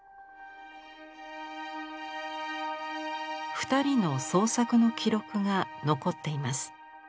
二人の創作の記録が残っています。